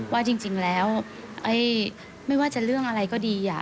ว่าจริงแล้วไม่ว่าจะเรื่องอะไรก็ดี